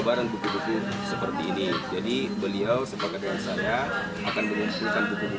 karena ini di mall ratu indah